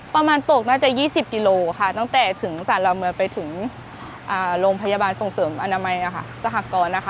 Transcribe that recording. ประมาณตกน่าจะ๒๐กิโลนิเมตรตั้งสาหกภคาศลำมิวันไปถึงโรงพยาบาลส่องเสริมอนามัยสหก